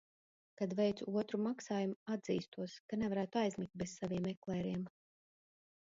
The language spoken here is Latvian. Kad veicu otru maksājumu, atzīstos, ka nevarētu aizmigt bez saviem eklēriem.